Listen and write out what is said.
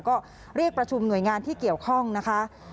ก็เรียกประชุมหน่วยงานที่เกี่ยวข้องนะคะ